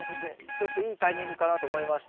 ちょっといいタイミングかなと思いまして